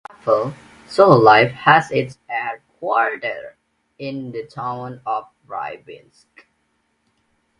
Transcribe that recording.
The company, founded by Pavel Soloviev, has its headquarters in the town of Rybinsk.